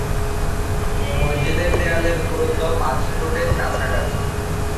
মসজিদের দেয়ালের পুরুত্ব পাঁচ ফুট এর কাছাকাছি।